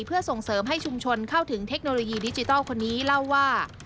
เพื่อส่งเสริมให้ชุมชนเข้าถึงเทคโนโลยีดิจิทัลคนนี้เล่าว่า